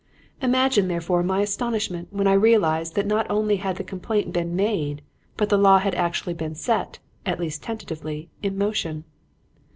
"Imagine, therefore, my astonishment when I realized that not only had the complaint been made, but the law had actually been set at least tentatively in motion.